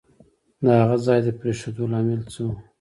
د هغه ځای د پرېښودو لامل څه وو؟